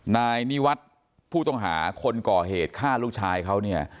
นายนิวัฒน์ผู้ต้องหาคนก่อเหตุฆ่าลูกชายเขาเนี่ย